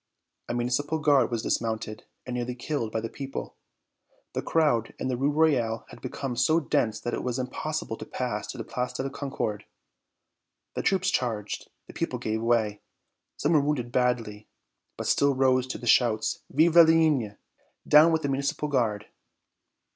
A Municipal Guard was dismounted and nearly killed by the people. The crowd in the Rue Royale had become so dense that it was impossible to pass to the Place de la Concorde. The troops charged. The people gave way. Some were wounded badly; but still rose the shouts, "Vive la Ligne! Down with the Municipal Guard!"